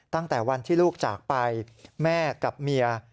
ตั้งแต่วันที่ลูกจากไปแม่กับเมีย